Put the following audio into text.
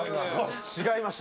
違いました。